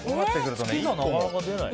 月がなかなか出ない。